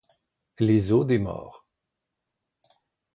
Les os des morts.